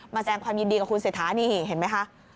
มาแสงความยินดีกับคุณเสถานีเห็นไหมคะ